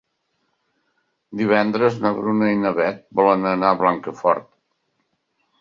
Divendres na Bruna i na Beth volen anar a Blancafort.